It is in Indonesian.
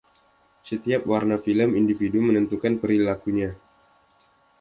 Setiap warna film individu menentukan perilakunya.